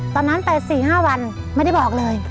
ตอนนั้นไป๔๕วันไม่ได้บอกเลย